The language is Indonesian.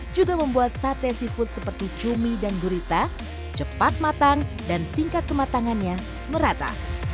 juga membuat sate seafood seperti cumi dan gurita cepat matang dan tingkat kematangannya merata